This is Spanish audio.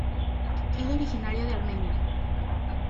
Es originario de Armenia.